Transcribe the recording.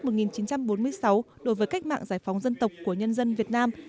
năm một nghìn chín trăm bốn mươi sáu đối với cách mạng giải phóng dân tộc của nhân dân việt nam